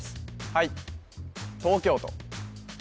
はい